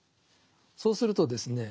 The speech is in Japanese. そうするとですね